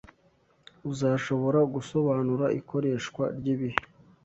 Uzashobora gusobanura ikoreshwa ryibihe